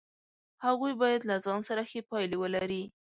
هغوی باید له ځان سره ښې پایلې ولري.